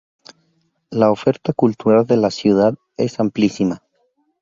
La oferta cultural de la ciudad es amplísima.